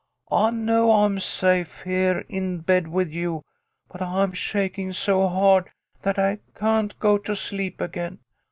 I know I am safe, here in bed with you, but I'm shaking so hard that I can't go to sleep again.